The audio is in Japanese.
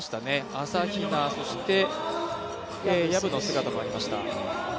朝比奈、そして薮の姿もありました。